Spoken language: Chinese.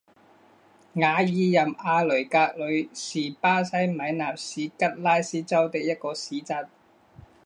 瓦尔任阿雷格里是巴西米纳斯吉拉斯州的一个市镇。